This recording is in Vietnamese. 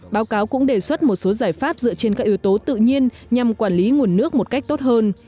báo cáo cũng đề xuất một số giải pháp dựa trên các yếu tố tự nhiên nhằm quản lý nguồn nước một cách tốt hơn